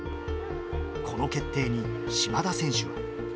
この決定に、島田選手は。